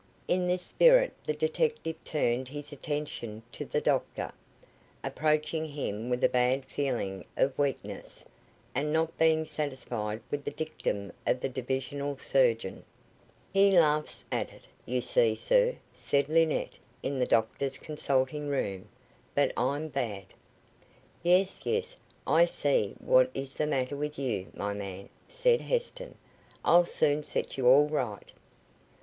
In this spirit the detective turned his attention to the doctor, approaching him with a bad feeling of weakness, and not being satisfied with the dictum of the divisional surgeon. "He laughs at it, you see, sir," said Linnett, in the doctor's consulting room; "but I'm bad." "Yes, yes. I see what is the matter with you, my man," said Heston. "I'll soon set you all right."